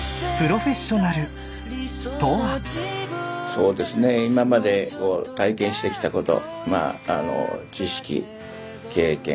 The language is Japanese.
そうですね今まで体験してきたことまああの知識経験